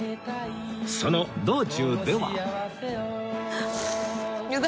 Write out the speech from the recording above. その道中では